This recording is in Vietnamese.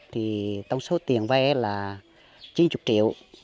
thì tổng số tiền vay là chín mươi triệu